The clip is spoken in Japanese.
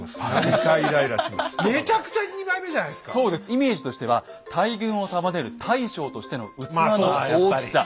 イメージとしては大軍を束ねる大将としての器の大きさ。